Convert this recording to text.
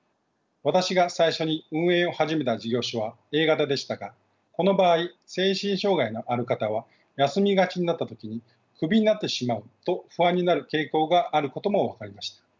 私が最初に運営を始めた事業所はＡ型でしたがこの場合精神障害のある方は休みがちになった時に「クビになってしまう」と不安になる傾向があることも分かりました。